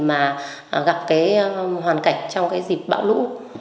mà gặp hoàn cảnh trong dịp bão lũ